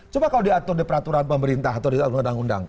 cuma kalau diatur di peraturan pemerintah atau di atur di undang undang